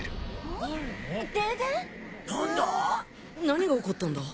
何が起こったんだ？